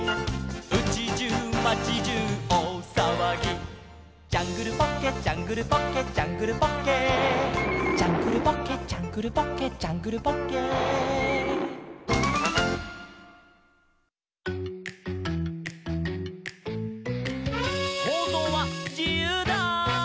「うちじゅう町じゅうおおさわぎ」「ジャングルポッケジャングルポッケ」「ジャングルポッケ」「ジャングルポッケジャングルポッケ」「ジャングルポッケ」「そうぞうはじゆうだー！」